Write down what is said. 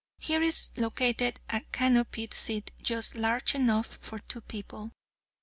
Here is located a canopied seat just large enough for two people.